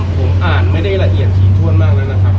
ผมอ่านไม่ได้ละเอียดถี่ถ้วนมากแล้วนะครับ